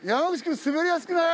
滑りやすくない？